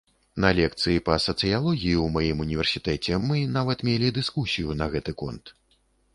На лекцыі па сацыялогіі ў маім універсітэце мы нават мелі дыскусію на гэты конт.